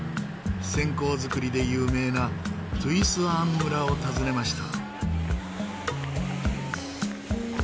線香作りで有名なトゥイスアン村を訪ねました。